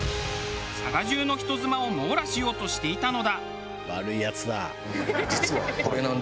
佐賀中の人妻を網羅しようとしていたのだ。